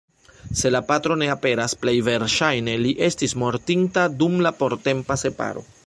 Se la patro ne aperas, plej verŝajne li estis mortinta dum la portempa separo.